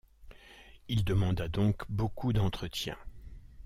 Il demanda donc beaucoup d'entretien.